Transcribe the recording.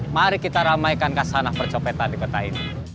mari kita ramaikan kasanah percopetan di kota ini